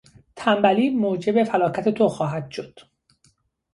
تنبلی موجب فلاکت تو خواهد شد!